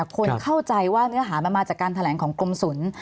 คนเข้าใจว่าเนื้อหามันมาจากการแถลงของกรมศูนย์